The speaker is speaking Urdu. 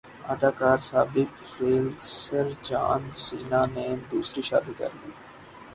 اداکار سابق ریسلر جان سینا نے دوسری شادی کرلی